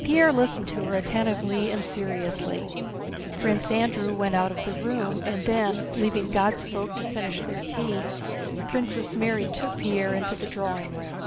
Pierre listened to her attentively and seriously. Prince Andrew went out of the room, and then, leaving "God's folk" to finish their tea, Princess Mary took Pierre into the drawing room.